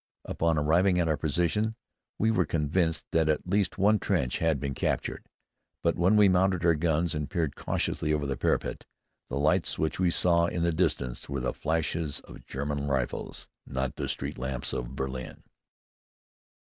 Upon arriving at our position, we were convinced that at least one trench had been captured; but when we mounted our guns and peered cautiously over the parapet, the lights which we saw in the distance were the flashes of German rifles, not the street lamps of Berlin.